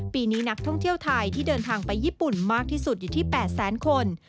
ปีนี้นักท่องเที่ยวไทยที่เดินทางไปญี่ปุ่นมากที่สุดอยู่ที่๘แสนคน